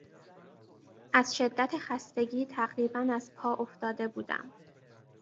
از شدت خستگی تقریبا از پا افتاده بودم.